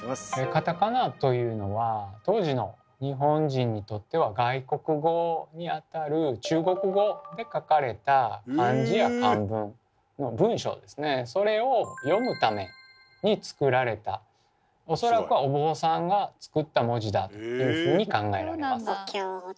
カタカナというのは当時の日本人にとっては外国語にあたる中国語で書かれた漢字や漢文の文章ですねそれを読むために作られた恐らくはというふうに考えられます。